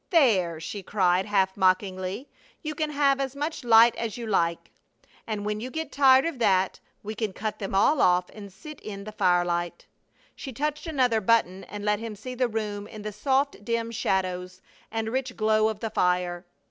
"There!" she cried, half mockingly. "You can have as much light as you like, and when you get tired of that we can cut them all off and sit in the firelight." She touched another button and let him see the room in the soft dim shadows and rich glow of the fire.